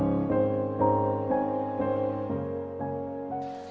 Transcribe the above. คนที่สองชื่อน้องก็เอาหลานมาให้ป้าวันเลี้ยงสองคน